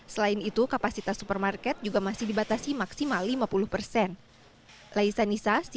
selain itu kapasitas supermarket juga masih dibatasi maksimal lima puluh persen